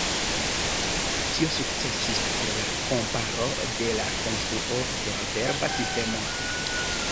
Tio sukcesis per la komparo de la konstruo de la verba sistemo.